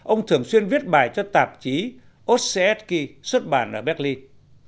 ông thường xuyên viết bài cho tạp chí ocsky xuất bản ở berlin